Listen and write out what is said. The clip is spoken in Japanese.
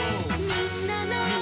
「みんなの」